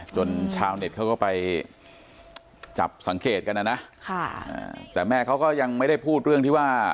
ชาวเน็ตเขาก็ไปจับสังเกตกันนะนะแต่แม่เขาก็ยังไม่ได้พูดเรื่องที่ว่า